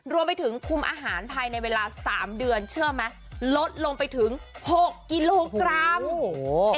รวมไปถึงคุมอาหารภายในเวลา๓เดือนเชื่อไหมลดลงไปถึง๖กิโลกรัมโอ้โห